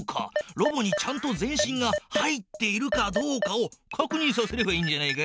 ロボにちゃんと全身が入っているかどうかをかくにんさせればいいんじゃないか？